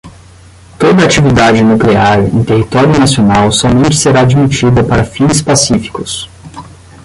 toda atividade nuclear em território nacional somente será admitida para fins pacíficos